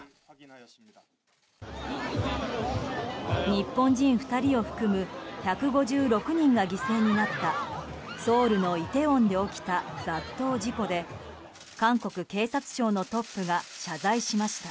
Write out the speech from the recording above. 日本人２人を含む１５６人が犠牲になったソウルのイテウォンで起きた雑踏事故で韓国警察庁のトップが謝罪しました。